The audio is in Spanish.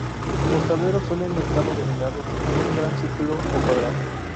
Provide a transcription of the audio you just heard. Los tableros suelen estar ordenados en un gran círculo o cuadrado.